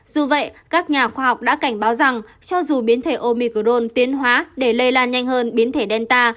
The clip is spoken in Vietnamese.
dù vậy các nhà khoa học đã cảnh báo rằng cho dù biến thể omicron tiến hóa để lây lan nhanh hơn biến thể đen ta